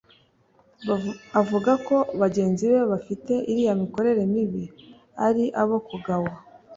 avuga ko bagenzi be bafite iriya mikorere mibi ari abo kugawa